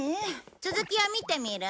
続きを見てみる？